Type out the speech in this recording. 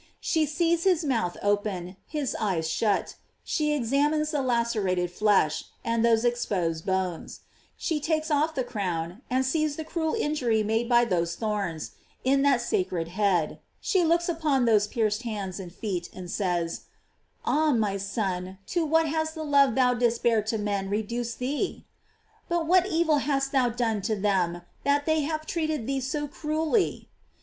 She sees his mouth open, his eye shut, she examines the lacerated flesh, and those exposed bones; she takes off the crown, and sees the cruel injury made by those thorns, in that sacred head; she looks upon those pierced hands and feet, and says: Ah, my Son, to what has the love thou didst bear to men reduced thee ! But what evil ha? t thou done to them, that they have treated thee so cruelly?